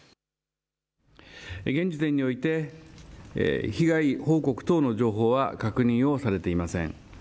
現時点において、被害報告等の情報は確認をされていません。